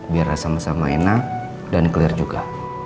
biar sama sama enak dan clear juga